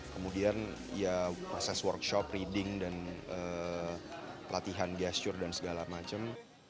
kemudian ya proses workshop reading dan pelatihan gesture dan segala macam